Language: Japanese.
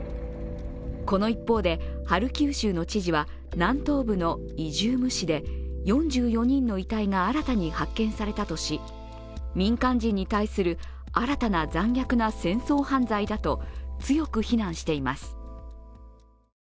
この一方で、ハルキウ州の知事は南東部のイジューム市で４４人の遺体が新たに発見されたとし、民間人に対する新たな残虐な戦争犯罪だと強く非難しています。